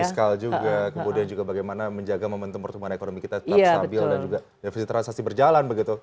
fiskal juga kemudian juga bagaimana menjaga momentum pertumbuhan ekonomi kita tetap stabil dan juga defisit transaksi berjalan begitu